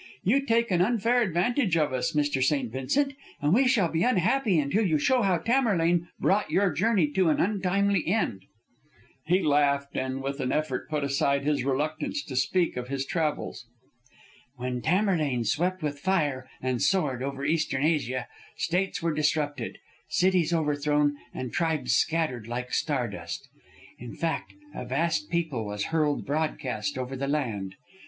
You take an unfair advantage of us, Mr. St. Vincent, and we shall be unhappy until you show how Tamerlane brought your journey to an untimely end." He laughed, and with an effort put aside his reluctance to speak of his travels. "When Tamerlane swept with fire and sword over Eastern Asia, states were disrupted, cities overthrown, and tribes scattered like star dust. In fact, a vast people was hurled broadcast over the land.